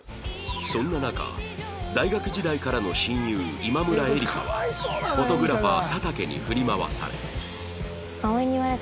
そんな中大学時代からの親友今村エリカはフォトグラファー佐竹に振り回され